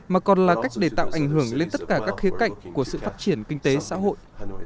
mà còn là cách để tạo ảnh hưởng lên tất cả các khía cạnh của sự phát triển kinh tế xã hội